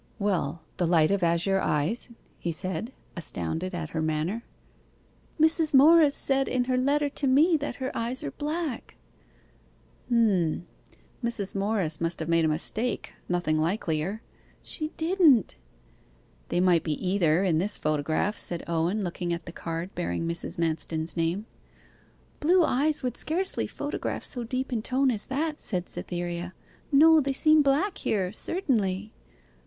'Well, "the light of azure eyes"?' he said, astounded at her manner. 'Mrs. Morris said in her letter to me that her eyes are black!' 'H'm. Mrs. Morris must have made a mistake nothing likelier.' 'She didn't.' 'They might be either in this photograph,' said Owen, looking at the card bearing Mrs. Manston's name. 'Blue eyes would scarcely photograph so deep in tone as that,' said Cytherea. 'No, they seem black here, certainly.